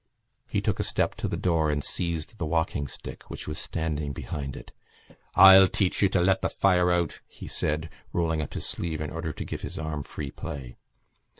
He took a step to the door and seized the walking stick which was standing behind it. "I'll teach you to let the fire out!" he said, rolling up his sleeve in order to give his arm free play.